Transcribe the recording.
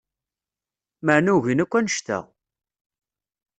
Maɛna ugin akk anect-a…